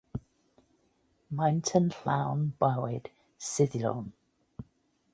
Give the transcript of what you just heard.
Maent yn llawn bywyd suddlon.